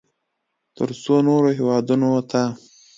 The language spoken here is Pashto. ترڅو نورو هېوادونو ته